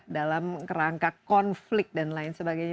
dalam kerangka konflik dan lain sebagainya